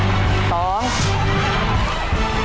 กล่อข้าวหลามใส่กระบอกภายในเวลา๓นาที